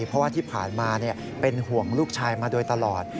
เพราะว่าที่ผ่านมาเป็นห่วงลูกชายมาโดยตลอด